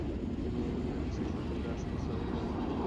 তিনি এঙ্গেল্সের সাথে ব্রাসেল্স চলে যান।